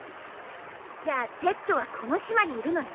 じゃあＺはこの島にいるのね？